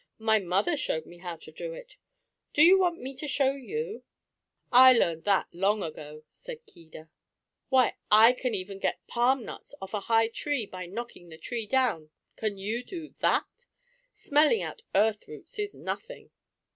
"My mother showed me how to do it. Do you want me to show you?" "I learned that long ago," said Keedah. "Why I can even get palm nuts off a high tree by knocking the tree down. Can you do that? Smelling out earth roots is nothing!"